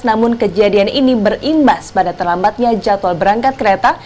namun kejadian ini berimbas pada terlambatnya jadwal berangkat kereta